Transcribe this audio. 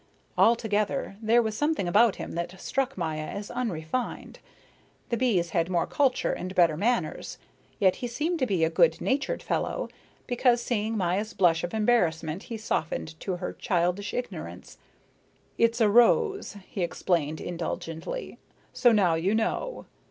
Altogether there was something about him that struck Maya as unrefined. The bees had more culture and better manners. Yet he seemed to be a good natured fellow, because, seeing Maya's blush of embarrassment, he softened to her childish ignorance. "It's a rose," he explained indulgently. "So now you know.